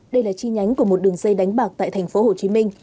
đây là chi nhánh của một đường dây đánh bạc tại thành phố hồ chí minh